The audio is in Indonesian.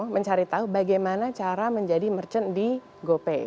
mencari tahu bagaimana cara menjadi merchant di gopay